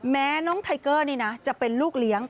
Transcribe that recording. แม้น้องไทเกอร์นี่นะจะเป็นลูกเลี้ยง